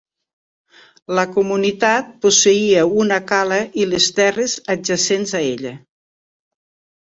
La comunitat posseïa una cala i les terres adjacents a ella.